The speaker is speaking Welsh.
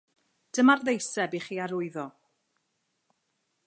Dyma'r ddeiseb i chi arwyddo.